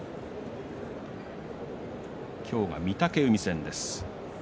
今日は御嶽海戦です。